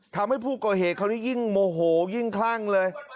ทำให้ผู้ก่อเหตุคนนี้ยิ่งโมโหยิ่งคลั่งเลย